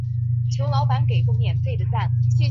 波恩市拥有为数不少的教堂。